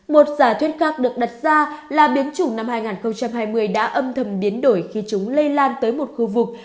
một giả thuyết khác được đặt ra là biến chủng năm hai nghìn hai mươi đã âm thầm biến đổi khi chúng lây lan tới một khu vực